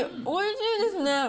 おいしいですね。